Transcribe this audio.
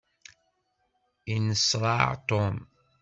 Yenneṣṛaɛ Tom.